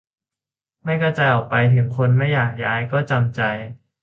ไม่กระจายออกไป ถึงคนไม่อยากย้ายก็จำใจ